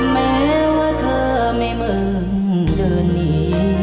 แม้ว่าเธอไม่เมืองเดินหนี